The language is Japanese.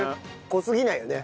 濃すぎないよね。